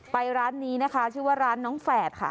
ร้านนี้นะคะชื่อว่าร้านน้องแฝดค่ะ